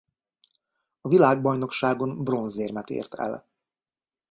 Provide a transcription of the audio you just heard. A világbajnokságon bronzérmet ért el.